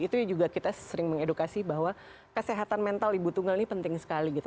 itu juga kita sering mengedukasi bahwa kesehatan mental ibu tunggal ini penting sekali gitu